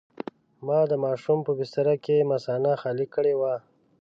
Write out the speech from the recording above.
ما د ماشوم په بستره کې مثانه خالي کړې وه.